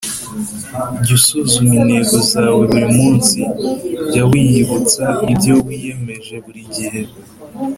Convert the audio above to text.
Jya usuzuma intego zawe buri munsi. Jya wiyibutsa ibyo wiyemeje buri gihe